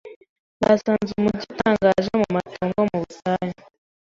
Basanze umujyi utangaje mumatongo mu butayu.